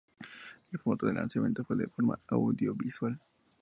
El formato de lanzamiento fue de forma audiovisual.